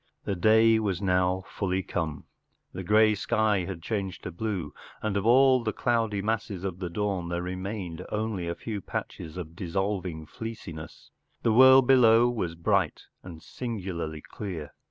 The day was now fully come. The grey sky had changed to blue, and of all the cloudy masses of the dawn there remained only a few patches of dissolving fleeci¬ ness* The world Mow was bright and singularly clear.